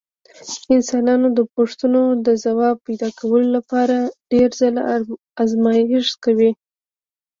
انسانان د پوښتنو د ځواب پیدا کولو لپاره ډېر ځله ازمېښت کوي.